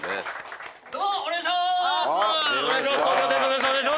お願いします！